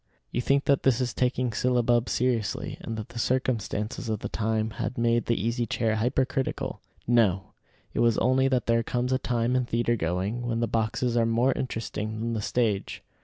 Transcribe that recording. You think that this is taking syllabub seriously, and that the circumstances of the time had made the Easy Chair hypercritical. No; it was only that there comes a time in theatre going when the boxes are more interesting than the stage.